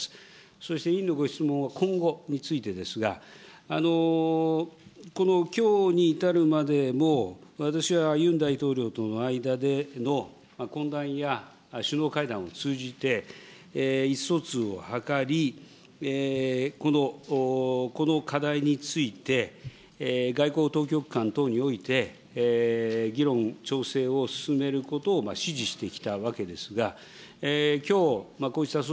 そして委員のご質問は、今後についてですが、きょうに至るまでも、私はユン大統領との間での懇談や首脳会談を通じて意思疎通を図り、この課題について、外交当局間等において議論、調整を進めることを指示してきたわけですが、きょう、こうした措